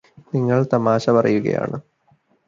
നിങ്ങള് തമാശ പറയുകയാണ്